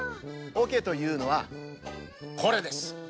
おけというのはこれです。